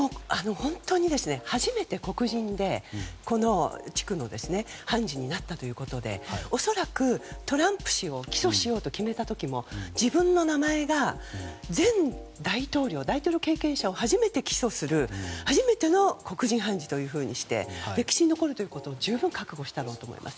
初めて黒人でこの地区の判事になったということで恐らくトランプ氏を起訴しようと決めた時も自分の名前が前大統領大統領経験者を初めて起訴する初めての黒人検事ということで歴史に残るということを十分覚悟しただろうと思います。